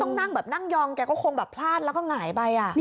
ต้องนั่งแบบนั่งยองแกก็คงแบบพลาดแล้วก็หงายไป